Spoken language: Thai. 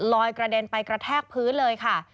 กระเด็นไปกระแทกพื้นเลยค่ะ